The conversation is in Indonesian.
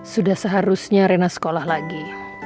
sudah seharusnya rena sekolah lagi